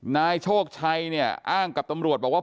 นายโชคชัยเนี่ยอ้างกับตำรวจบอกว่า